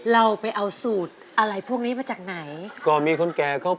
แล้วอยู่มันก็ดังกึ๊ก